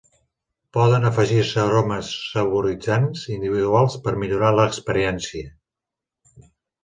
Poden afegir-se aromes saboritzants individuals per millorar l'experiència.